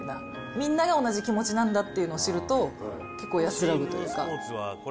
みんなが同じ気持ちなんだっていうのを知ると、結構安らぐというか。